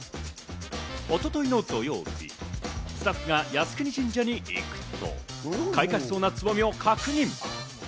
一昨日の土曜日、スタッフが靖国神社に行くと、開花しそうなつぼみを確認。